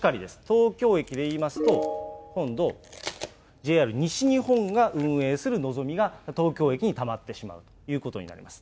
東京駅でいいますと、今度、ＪＲ西日本が運営するのぞみが東京駅にたまってしまうということになります。